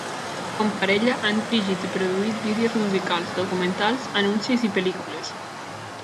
Com parella, han dirigit i produït vídeos musicals, documentals, anuncis i pel·lícules.